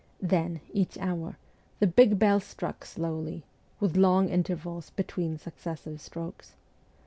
Then, each hour, the big bell struck slowly, with long intervals between successive strokes.